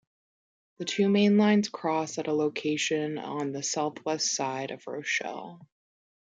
The two mainlines cross at a location on the southwest side of Rochelle.